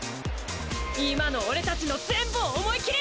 今の俺たちの全部を思い切り！